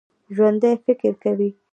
ژوندي فکر کوي